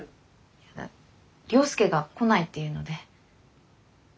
いや涼介が来ないっていうので。